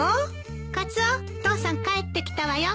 カツオ父さん帰ってきたわよ。